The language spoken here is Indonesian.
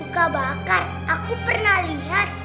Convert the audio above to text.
luka bakar aku pernah lihat